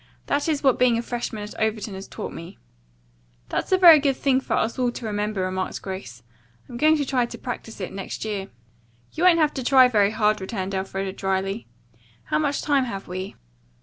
That is what being a freshman at Overton has taught me." "That's a very good thing for all of us to remember," remarked Grace. "I'm going to try to practise it next year." "You won't have to try very hard," returned Elfreda dryly. "How much time have we?"